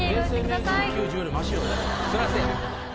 そらせや。